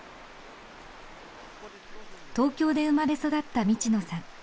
東京で生まれ育った道野さん。